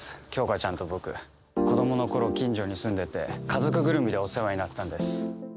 杏花ちゃんと僕子どものころ近所に住んでて家族ぐるみでお世話になったんです